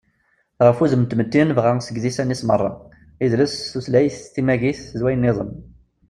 ɣef wudem n tmetti i nebɣa seg yidisan-is meṛṛa: idles, tutlayt, timagit, d wayen-nniḍen